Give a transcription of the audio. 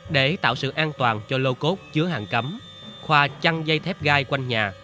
để tạo sự an toàn cho lô cốt chứa hàng cấm khoa chăn dây thép gai quanh nhà